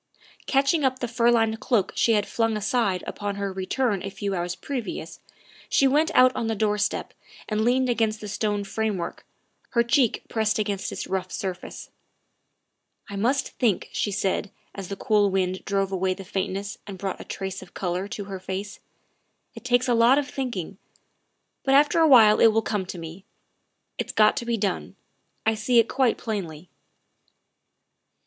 Catching up the fur lined cloak she had flung aside upon her return a few hours previous she went out on the doorstep and leaned against the stone framework, her cheek pressed against its rough surface. " I must think," she said as the cool wind drove away the faintness and brought a trace of color to her THE SECRETARY OF STATE 265 face; " it takes a lot of thinking, but after awhile it will come to me. It's got to be done I see it quite plainly."